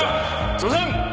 すいません！